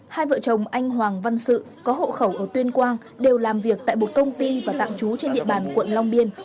hai vợ chồng anh hoàng văn sự có hộ khẩu ở tuyên quang đều làm việc tại một công ty và tạm trú trên địa bàn quận long biên